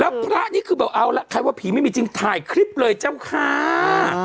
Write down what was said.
แล้วพระนี่คือแบบเอาล่ะใครว่าผีไม่มีจริงถ่ายคลิปเลยเจ้าค่ะ